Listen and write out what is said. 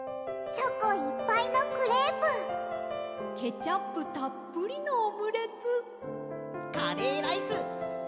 「チョコいっぱいのクレープ」「ケチャップたっぷりのオムレツ」「カレーライス！